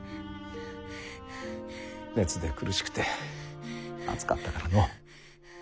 熱で苦しくて熱かったからのう。